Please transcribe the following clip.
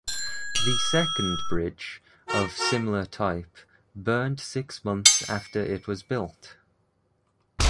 The second bridge, of similar type, burned six months after it was built.